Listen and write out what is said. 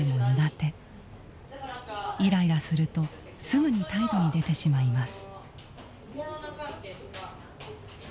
イライラするとすぐに態度に出てしまいます。